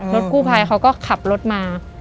รถกู้ภัยเขาก็ขับรถมา